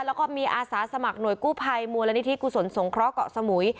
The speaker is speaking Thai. แล้วก็มีอาสาสมัครหน่วยกู้ภัยมูลนิธิกุศลสงเคราะเกาะสมุย